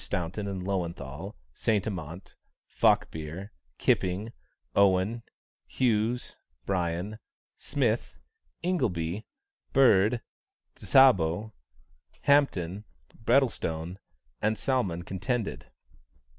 Staunton, Löwenthal, St. Amant, Falkbeer, Kipping, Owen, Hughes, Brien, Smith, Ingleby, Bird, Zsabo, Hampton, Brettlestone, and Salmon contended.